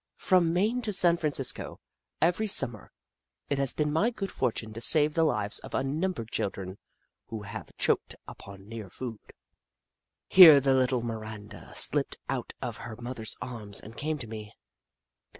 From Maine to San Francisco, every Summer, it has been my good fortune to save the lives of unnumbered children who have choked upon near food." Here the little Miranda slipped out of her mother's arms and came to me.